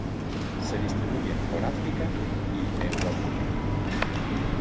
Se distribuyen por África, y Europa.